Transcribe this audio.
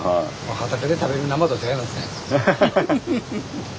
畑で食べる生と違いますね。